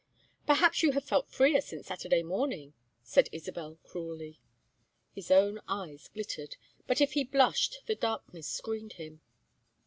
"Perhaps you have felt freer since Saturday morning," said Isabel, cruelly. His own eyes glittered, but if he blushed the darkness screened him.